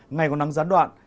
ngày có nắng gián đoạn